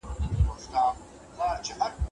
ایا تاسو توراغه لیدلې ده؟